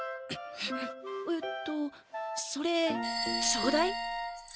えっとそれちょうだい。